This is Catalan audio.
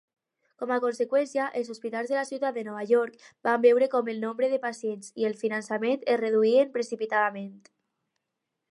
Com a conseqüència, els hospitals de la ciutat de Nova York van veure com el nombre de pacients i el finançament es reduïen precipitadament.